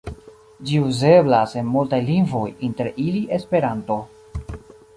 Ĝi uzeblas en multaj lingvoj, inter ili Esperanto.